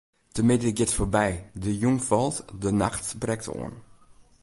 De middei giet foarby, de jûn falt, de nacht brekt oan.